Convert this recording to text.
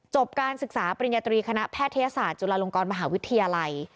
การศึกษาปริญญาตรีคณะแพทยศาสตร์จุฬาลงกรมหาวิทยาลัย